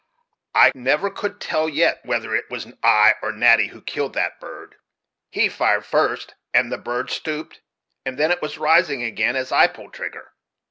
I never could tell yet whether it was I or Natty who killed that bird: he fired first, and the bird stooped, and then it was rising again as I pulled trigger.